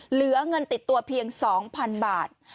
เหลือเงินติดตัวเพียง๒๐๐๐บาท